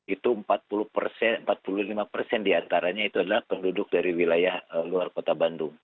itu empat puluh lima persen diantaranya itu adalah penduduk dari wilayah luar kota bandung